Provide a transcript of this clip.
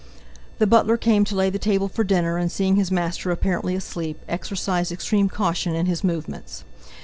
The butler came to lay the table for dinner, and seeing his master apparently asleep, exercised extreme caution in his movements.